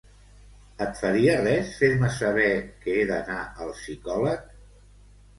Et faria res fer-me saber que he d'anar al psicòleg?